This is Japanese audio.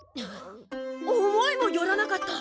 思いもよらなかった。